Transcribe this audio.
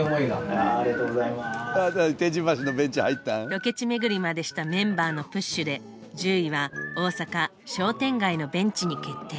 ロケ地巡りまでしたメンバーのプッシュで１０位は「大阪商店街のベンチ」に決定。